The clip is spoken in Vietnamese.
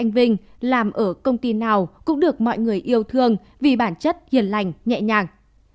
anh vinh làm ở công ty nào cũng được mọi người yêu thương vì bản chất hiền lành nhẹ nhàng